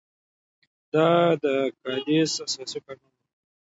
دا د کادیس اساسي قانون وو.